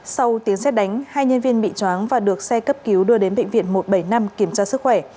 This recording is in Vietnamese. sau tiến xét đánh hai nhân viên bị chóng và được xe cấp cứu đưa đến bệnh viện một trăm bảy mươi năm kiểm tra sức khỏe